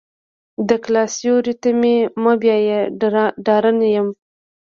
د کلا سیوري ته مې مه بیایه ډارنه یم.